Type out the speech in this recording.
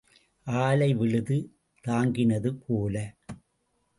ஆலை விழுது தாங்கினது போல.